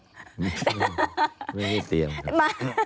ไม่ได้เตรียม